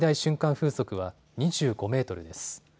風速は２５メートルです。